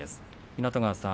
湊川さん